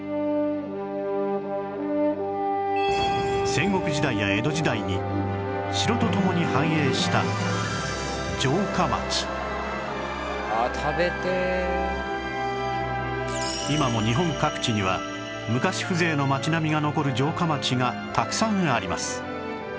戦国時代や江戸時代に城と共に繁栄した今も日本各地には昔風情の町並みが残る城下町がたくさんあります